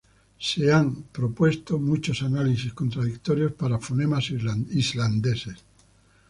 Se han propuesta muchos análisis contradictorios para fonemas islandeses.